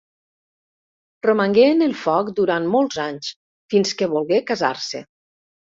Romangué en el foc durant molts anys, fins que volgué casar-se.